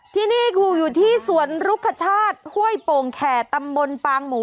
ที่นี่คืออยู่ที่สวนรุคชาติห้วยโป่งแข่ตำบลปางหมู